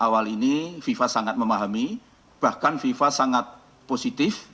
awal ini fifa sangat memahami bahkan fifa sangat positif